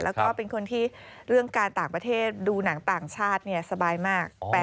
แล้วก็เป็นคนที่เรื่องการต่างประเทศดูหนังต่างชาติสบายมาก